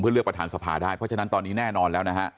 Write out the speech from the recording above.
เพื่อเลือกประธานสภาได้เพราะฉะนั้นตอนนี้แน่นอนแล้วนะฮะ